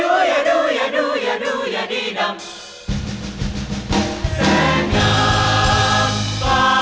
บ๊ายาดูยาดูยาดูยาดีดำ